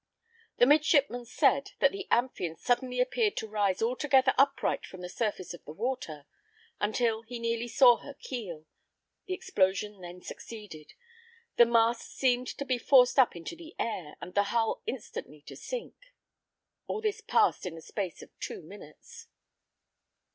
The midshipman said, that the Amphion suddenly appeared to rise altogether upright from the surface of the water, until he nearly saw her keel; the explosion then succeeded; the masts seemed to be forced up into the air, and the hull instantly to sink. All this passed in the space of two minutes.